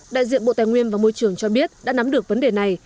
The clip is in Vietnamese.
đại diện bộ tài nguyên và môi trường cho biết đã nắm được vấn đề này